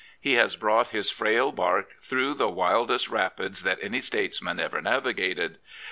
He has brought his frail barque through the wildest rapids that any ^atesman ever navigated.